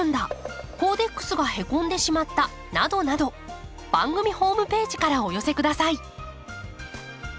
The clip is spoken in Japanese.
などなど番組ホームページからお寄せください。